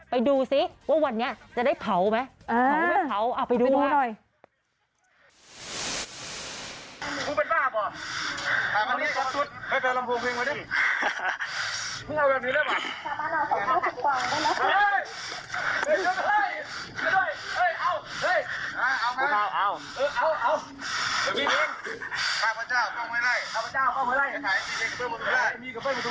ไปดูสิว่าวันเนี่ยจะได้เผาไหม